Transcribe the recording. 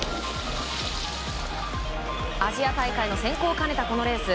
アジア大会の選考を兼ねたこのレース。